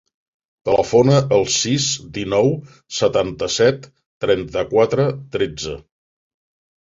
Telefona al sis, dinou, setanta-set, trenta-quatre, tretze.